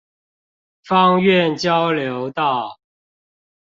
芳苑交流道